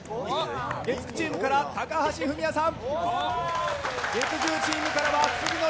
月９チームから高橋文哉さん。